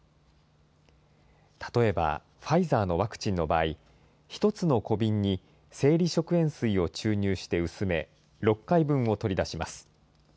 例えば、ファイザーのワクチンの場合、１つの小瓶に生理食塩水を注入して薄め、６回分を取り出します。